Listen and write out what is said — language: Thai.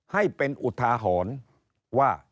ให้เป็นอุทาหรณ์ว่า